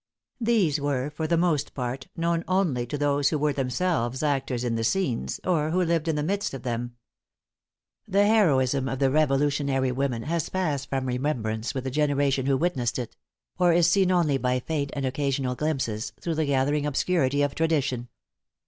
These were, for the most part, known only to those who were themselves actors in the scenes, or who lived in the midst of them. The heroism of the Revolutionary women has passed from remembrance with the generation who witnessed it; or is seen only by faint and occasional glimpses, through the gathering obscurity of tradition.